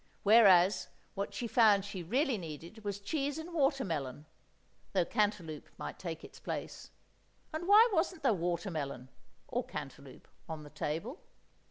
Whereas, what she found she really needed was cheese and water melon (though cantaloupe might take its place), and why wasn't there water melon (or cantaloupe) on the table?